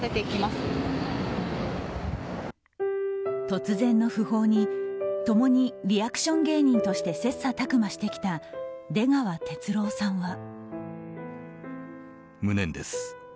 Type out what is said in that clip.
突然の訃報に共にリアクション芸人として切磋琢磨してきた出川哲朗さんは。